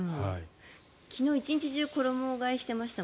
昨日１日中衣替えしてました。